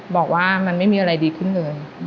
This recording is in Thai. บอกว่ามันไม่มีอะไรดีขึ้นเลย